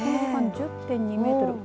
１０．２メートル。